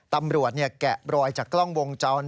ตำรวจแกะบรอยจากกล้องวงจร